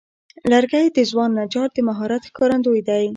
لرګی د ځوان نجار د مهارت ښکارندوی دی.